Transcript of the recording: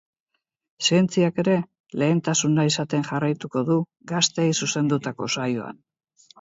Zientziak ere lehentasuna izaten jarraituko du gazteei zuzendutako saioan.